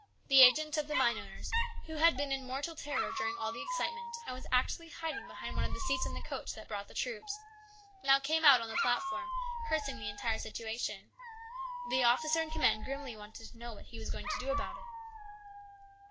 The agent of the mine owners, who had been in mortal terror during all the excitement, and was actually hiding behind one of the seats in the coach that brought the troops, now came out on the platform, cursing the entire situation. The officer in command grimly wanted to know what he was going to do about it.